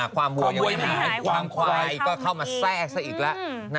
ความควายก็เข้ามาแทรกซะอีกแล้ว